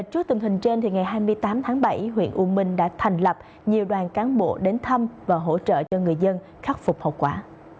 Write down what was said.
trước tình hình trên ngày hai mươi tám tháng bảy huyện u minh đã thành lập nhiều đoàn cán bộ đến thăm và hỗ trợ cho người dân khắc phục hậu quả